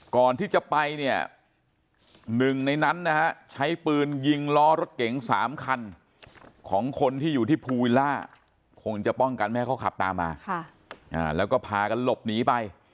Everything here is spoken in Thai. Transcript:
ก่อนที่จะไปเนี่ยหนึ่งในนั้นนะฮะใช้ปืนยิงล้อรถเก๋ง๓คันของคนที่อยู่ที่ภูวิลล่าคงจะป้องกันไม่ให้เขาขับตามมาแล้วก็พากันหลบหนีไป